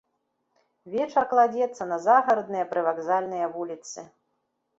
Вечар кладзецца на загарадныя, прывакзальныя вуліцы.